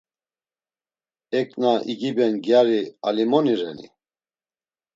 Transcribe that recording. Ek na igiben gyari alimoni reni?